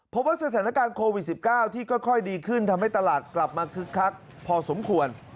เพราะว่าสถานการณ์โควิด๑๙ที่ค่อยดีขึ้นทำให้ตลาดกลับมาคึกคักพอสมควร